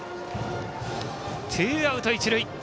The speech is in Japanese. ツーアウト一塁。